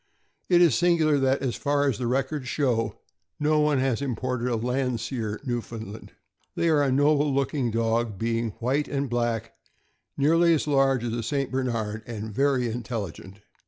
It is singular that, as far as the records show, no one has im ported a Landseer Newfoundland. They are a noble look ing dog, being white and black, nearly as large as a St. Bernard, and very intelligent.